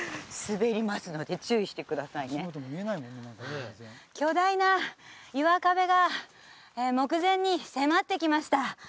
滑りますので注意してくださいねはあ巨大な岩壁が目前に迫ってきました